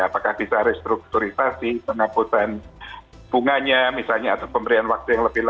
apakah bisa restrukturisasi pengabutan bunganya misalnya atau pemberian waktu yang lebih lama